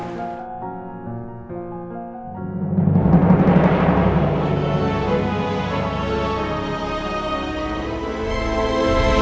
nanti aku akan pergi